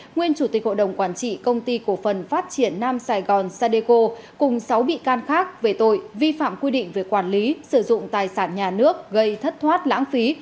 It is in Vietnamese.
nguyên chủ tịch hội đồng quản trị công ty cổ phần phát triển nam sài gòn sadeco cùng sáu bị can khác về tội vi phạm quy định về quản lý sử dụng tài sản nhà nước gây thất thoát lãng phí